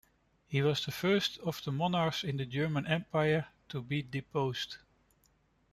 He was the first of the monarchs in the German Empire to be deposed.